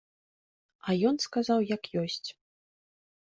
А ён сказаў як ёсць.